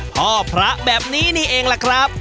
พ่อพระแบบนี้นี่เองล่ะครับ